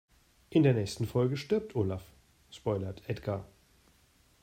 In der nächsten Folge stirbt Olaf, spoilert Edgar.